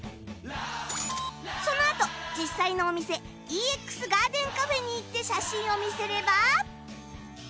そのあと実際のお店 ＥＸＧＡＲＤＥＮＣＡＦＥ に行って写真を見せれば